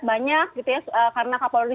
banyak karena kapolri